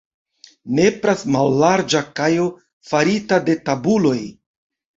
Nepras mallarĝa kajo farita de tabuloj.